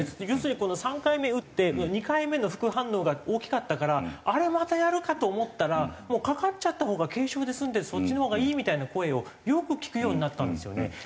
要するにこの３回目打って２回目の副反応が大きかったからあれまたやるかと思ったらもうかかっちゃったほうが軽症で済んでそっちのほうがいいみたいな声をよく聞くようになったんですよね。